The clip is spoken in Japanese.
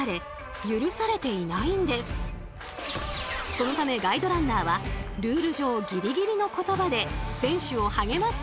そのためガイドランナーはルール上ギリギリの言葉で選手を励ますそうで。